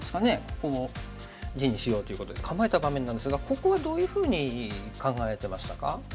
こう地にしようということで構えた場面なんですがここはどういうふうに考えてましたか？